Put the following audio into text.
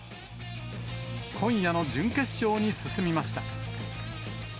今夜の準決勝に進みました。